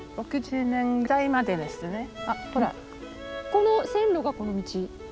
この線路がこの道？